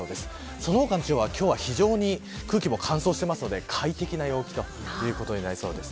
その他の地方は今日は非常に空気も乾燥しているので快適な陽気ということになりそうです。